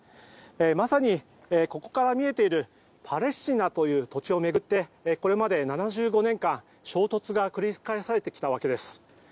まさに、ここから見えているパレスチナという土地を巡ってこれまで７５年間、衝突が繰り返されてきたわけです。